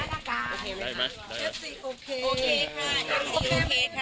โอเคไหมคะโอเคค่ะโอเคค่ะ